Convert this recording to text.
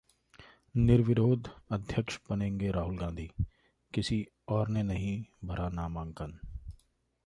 निर्विरोध अध्यक्ष बनेंगे राहुल गांधी, किसी और ने नहीं भरा नामांकन